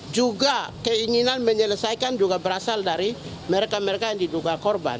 juga keinginan menyelesaikan juga berasal dari mereka mereka yang diduga korban